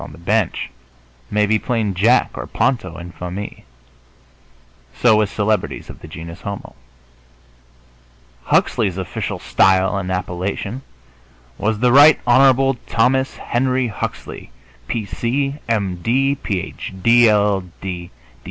on the bench, may be plain Jack or Ponto en famille. So with celebrities of the genus homo. Huxley's official style and appellation was "The Right Hon. Thomas Henry Huxley, P. C., M. D., Ph. D., LL.